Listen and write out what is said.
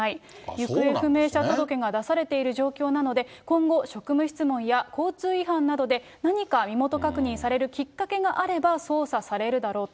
行方不明者届が出されている状況なので、今後、職務質問や交通違反などで何か身元確認されるきっかけがあれば、捜査されるだろうと。